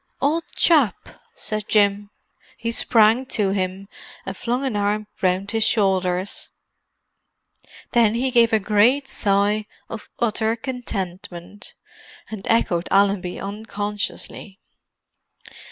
"Old chap!" said Jim. He sprang to him, and flung an arm round his shoulders. Then he gave a great sigh of utter contentment, and echoed Allenby unconsciously.